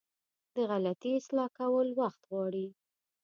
د غلطي اصلاح کول وخت غواړي.